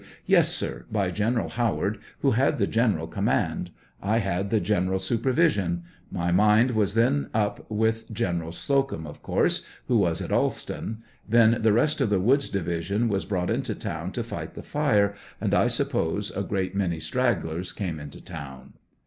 Yes, sir ; by General Howard, who had the gen eral command; I had the general supervision ; my mind was then up with General Slocum, of course, who was at Alston ; then the rest of Woods' division was brought into town to fight the fire, and I suppose a great many stragglers came into town.